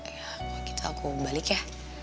ya kalau gitu aku balik ya